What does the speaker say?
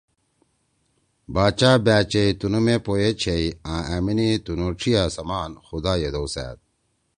باچا بأچیئی تنُو مے پو ئے چھیئی آں أمیِنی تنُو ڇھیِا سمان خُدا یِدؤسأد۔